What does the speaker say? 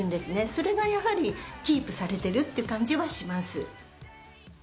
それがやはりキープされてるって感じはします